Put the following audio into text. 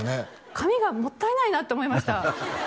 紙がもったいないなって思いました